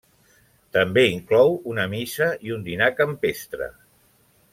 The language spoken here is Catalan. També inclou una missa i un dinar campestre.